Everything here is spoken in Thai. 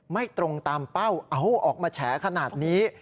ไม่ตรงตามเป้าเอาออกมาแฉขนาดนี้